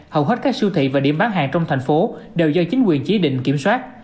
hầu hết các siêu thị và điểm bán hàng trong thành phố đều do chính quyền chỉ định kiểm soát